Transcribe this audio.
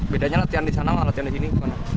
bedanya latihan di sana sama latihan di sini